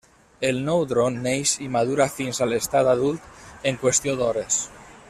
El nou dron neix i madura fins a l'estat adult en qüestió d'hores.